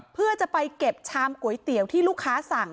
เพื่อจะไปเก็บชามก๋วยเตี๋ยวที่ลูกค้าสั่ง